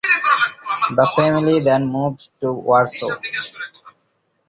The family then moved to Warsaw.